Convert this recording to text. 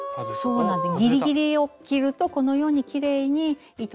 そうなんです。